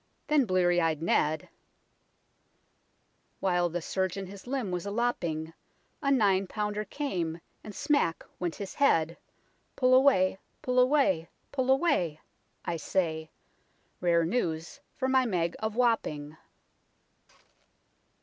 Then blear ey'd Ned " While the surgeon his limb was a lopping, A nine pounder came, and smack went his head, Pull away, pull away, pull away ! I say ; Rare news for my Meg of Wapping."